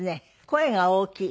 声が大きい。